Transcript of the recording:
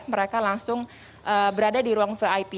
mereka langsung berada di ruang vip